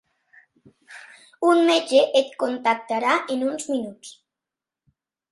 Un metge et contactarà en uns minuts.